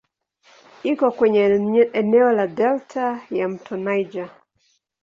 Iko kwenye eneo la delta ya "mto Niger".